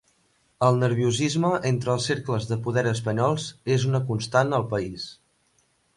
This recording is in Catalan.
El nerviosisme entre els cercles de poder espanyols és una constant al país